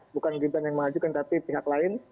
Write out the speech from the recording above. bukan gibran yang mengajukan tapi pihak lain